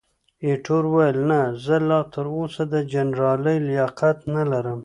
ایټور وویل، نه، زه لا تراوسه د جنرالۍ لیاقت نه لرم.